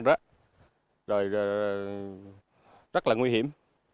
rất là nguy hiểm